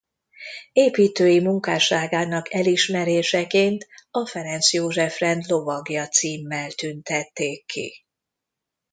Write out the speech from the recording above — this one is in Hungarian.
Építői munkásságának elismeréseként a Ferenc József-rend lovagja címmel tüntették ki.